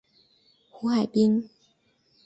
胡海滨。